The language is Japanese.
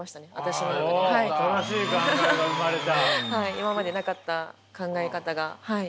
今までなかった考え方がはい。